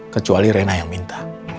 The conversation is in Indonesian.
kecuali rena yang minta